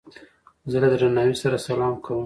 زه له درناوي سره سلام کوم.